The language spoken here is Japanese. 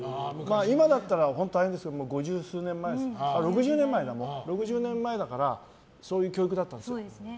今だったら大変ですけどもう６０年前だからそういう教育だったんですよ。